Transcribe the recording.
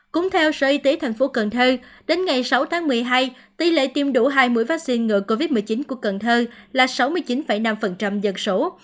cũng theo sở y tế thành phố cần thơ đến ngày sáu tháng một mươi hai tỷ lệ tiêm đủ hai mươi vaccine ngừa covid một mươi chín của cần thơ là sáu mươi chín năm dân số